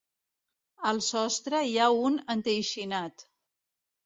Al sostre hi ha un enteixinat.